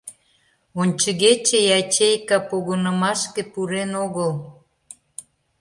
Ончыгече ячейка погынымашке пурен огыл.